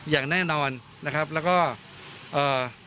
อย่างแน่นอนนะครับแล้วก็เอ่อ